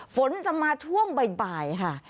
ฝนจะมาช่วงบ่ายค่ะ